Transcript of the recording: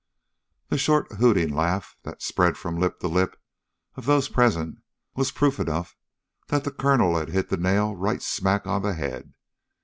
The short, hooting laugh that spread from lip to lip of those present was proof enough that the colonel had hit the nail right smack on the head.